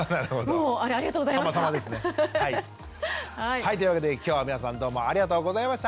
はいというわけで今日は皆さんどうもありがとうございました。